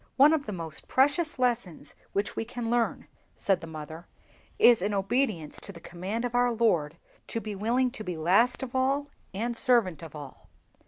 "One of the most precious lessons which we can learn," said the mother, "is, in obedience to the command of our Lord, to be willing to be last of all, and servant of all.